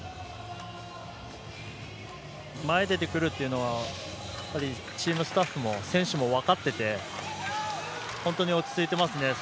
前に出てくるというのはチームスタッフも選手も分かってて本当に落ち着いていますね。